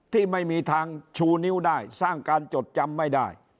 ที่ไม่มีทางชูนิ้วได้สร้างการจดจำไม่ได้